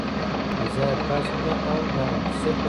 له ځایه پاڅېده او ولاړه.